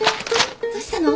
どうしたの？